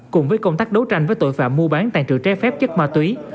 cùng với công tác đấu tranh với tội phạm mua bán tàn trự trái phép chất ma túy